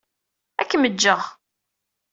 Ad kem-jjeɣ.